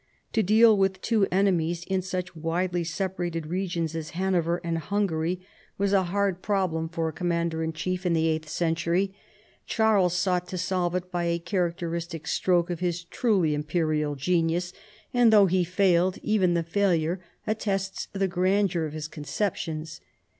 To deal with two enemi.s in such widely separated regions as Hanover and 11 ungary was a hard problem 160 CHARLEMAGNE. for a commander in chief in the eighth century. Charles sought to solve it by a characteristic stroke of his truly imperial genius, and though he failed, even the failure attests the grandeur of his conceptions.